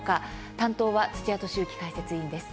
担当は土屋敏之解説委員です。